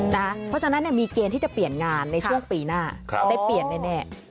เพราะฉะนั้นมีเกณฑ์ที่จะเปลี่ยนงานในช่วงปีหน้าได้เปลี่ยนแน่